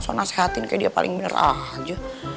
soalnya nasehatin kayak dia paling bener aja